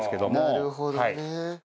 なるほどね。